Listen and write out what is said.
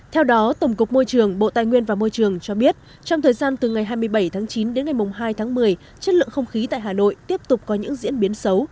theo đó tổng cục môi trường bộ tài nguyên và môi trường cho biết trong thời gian từ ngày hai mươi bảy tháng chín đến ngày hai tháng một mươi chất lượng không khí tại hà nội tiếp tục có những diễn biến xấu